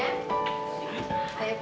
biar aku habis tidur